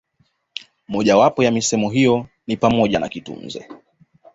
Moja wapo ya misemo hiyo ni pamoja na kitunze